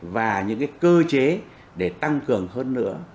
và những cơ chế để tăng cường hơn nữa